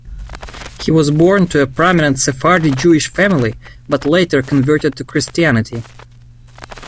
He was born to a prominent Sephardi Jewish family but later converted to Christianity.